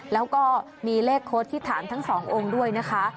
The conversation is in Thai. แล้วก็มีเลขโค้ดที่ฐานทั้งสององค์ด้วยนะคะ